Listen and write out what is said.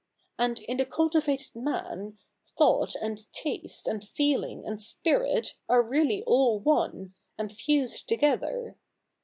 i\nd in the cultivated man, thought, and taste, and feeling, and spirit are really all one, and fused together.